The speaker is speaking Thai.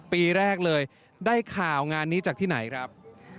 ปีแรกเลยได้ข่าวงานนี้จากที่ไหนครับ